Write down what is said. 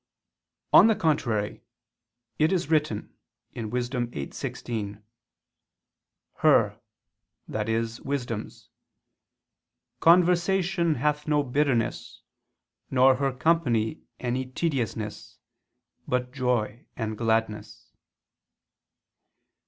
On the contrary, It is written (Wis. 8:16): "Her," i.e. wisdom's, "conversation hath no bitterness nor her company any tediousness; but joy and gladness."